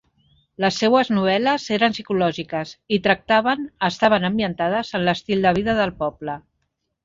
Les seues novel·les eren psicològiques i tractaven estaven ambientades en l'estil de vida del poble.